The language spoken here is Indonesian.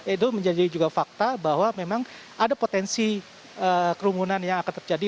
edo menjadi juga fakta bahwa memang ada potensi kerumunan yang akan terjadi